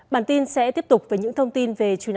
bản tin sẽ tiếp tục với những thông tin